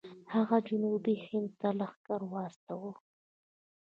هغه جنوبي هند ته لښکر واستوه.